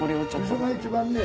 ・みそが一番ね